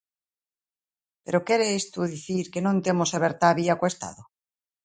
Pero quere isto dicir que non temos aberta a vía co Estado?